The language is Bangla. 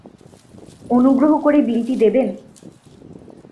অনুগ্রহ করে বিলটি দেবেন?